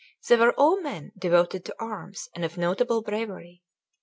They were all men devoted to arms and of notable bravery.